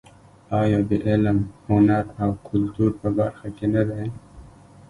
آیا د علم، هنر او کلتور په برخه کې نه دی؟